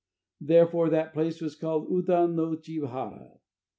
Therefore that place was called Udan no chi hara.